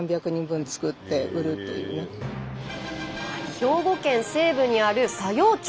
兵庫県西部にある佐用町。